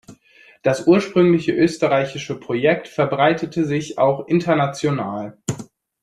Das ursprünglich österreichische Projekt verbreitete sich auch international.